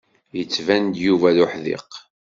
Yettban-d Yuba d uḥdiq.